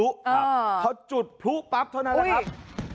ครับพอจุดพลุปั๊บเท่านั้นแหละครับ